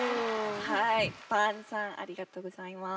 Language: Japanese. バンさんありがとうございます。